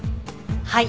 はい。